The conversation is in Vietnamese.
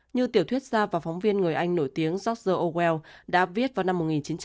như tiểu thuyết gia và phóng viên người anh nổi tiếng george orwell đã viết vào năm một nghìn chín trăm bốn mươi năm